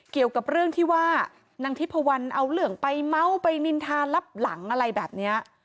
เกี่ยวกับเรื่องที่ว่านางทิพวันเอาเรื่องไปเมาส์ไปนินทารับหลังอะไรแบบนี้